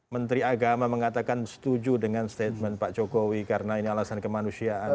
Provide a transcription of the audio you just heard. menteri agama mengatakan setuju dengan statement pak jokowi karena ini alasan kemanusiaan